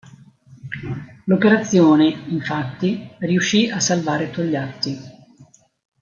L'operazione, infatti, riuscì a salvare Togliatti.